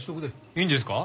いいんですか？